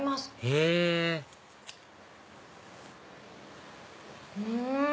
へぇうん！